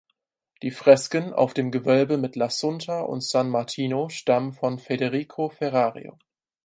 Die Fresken auf dem Gewölbe mit L’Assunta und San Martino stammen von Federico Ferrario.